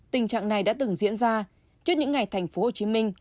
tình trạng này đã từng diễn ra trước những ngày thành phố hồ chí minh